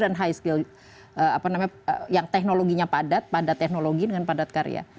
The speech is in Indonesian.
dan high skilled yang teknologinya padat padat teknologi dengan padat karya